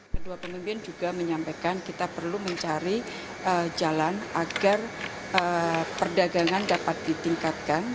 kedua pemimpin juga menyampaikan kita perlu mencari jalan agar perdagangan dapat ditingkatkan